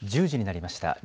１０時になりました。